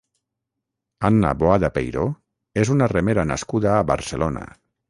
Anna Boada Peiró és una remera nascuda a Barcelona.